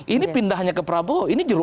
ini pindahnya ke prabowo